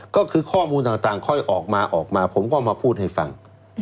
ก็คือข้อมูลต่างค่อยออกมาออกมาผมก็มาพูดให้ฟัง